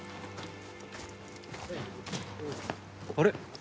あれ？